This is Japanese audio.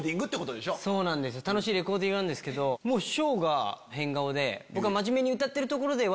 楽しいレコーディングなんですけど紫耀が変顔で。